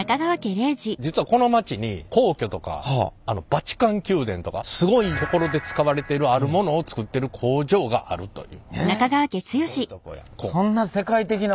実はこの町に皇居とかバチカン宮殿とかすごい所で使われてるあるものを作ってる工場があるという。